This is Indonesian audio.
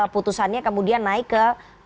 putusannya kemudian naik ke